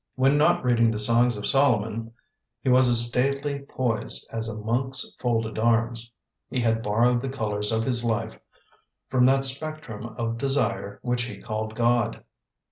When not reading the Songs of Solomon he was as staidly poised as a monk's folded arms. He had borrowed the colours of his life from that spectrum of desire which he called God.